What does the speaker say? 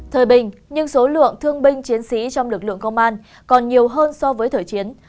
thời bình nhưng số lượng thương binh chiến sĩ trong lực lượng công an còn nhiều hơn so với thời chiến